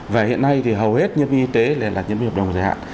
và hiện nay thì hầu hết nhân viên y tế lại là nhân viên hợp đồng dài hạn